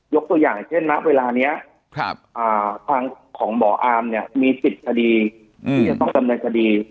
ตัวอย่างเช่นณเวลานี้ทางของหมออาร์มเนี่ยมี๑๐คดีที่จะต้องดำเนินคดี